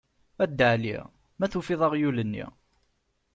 A Dda Ɛli! ma tufiḍ aɣyul-nni?